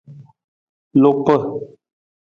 Lupa.